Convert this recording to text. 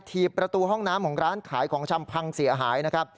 ถีบประตูห้องน้ำของร้านขายของชำพังเสียหายนะครับ